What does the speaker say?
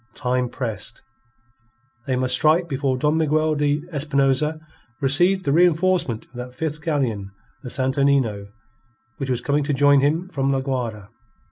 Time pressed. They must strike before Don Miguel de Espinosa received the reenforcement of that fifth galleon, the Santo Nino, which was coming to join him from La Guayra.